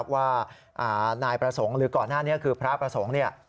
ว่านายประสงค์หรือก่อนหน้านี้คือพระประสงค์